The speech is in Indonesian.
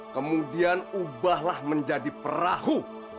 kemudian ubahlah menjadi perahu